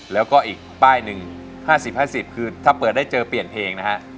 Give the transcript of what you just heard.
แล้วก็อีกป้ายหนึ่ง๕๐๕๐คือถ้าเปิดได้เจอเปลี่ยนเพลงนะฮะ